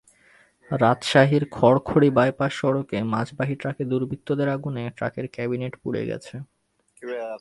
রাজশাহীর খড়খড়ি বাইপাস সড়কে মাছবাহী ট্রাকে দুর্বৃত্তদের আগুনে ট্রাকের ক্যাবিনেট পুড়ে গেছে।